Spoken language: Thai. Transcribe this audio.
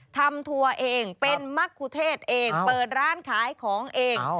ทัวร์เองเป็นมรรคุเทศเองเปิดร้านขายของเอง